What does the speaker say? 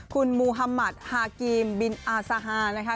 คุณมูฮามัติฮากีมบินอาซาฮานะคะ